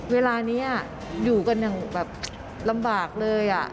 เวลานี้อยู่กันอย่างแบบลำบากเลย